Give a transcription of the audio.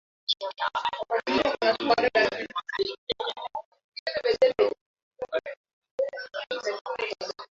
Pia kundi liliahidi ushirika na jimbo la kiislam mwaka elfu mbili kumi na tisa.